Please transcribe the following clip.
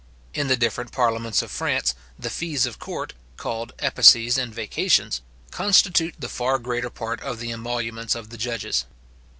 In the different parliaments of France, the fees of court (called epices and vacations) constitute the far greater part of the emoluments of the judges.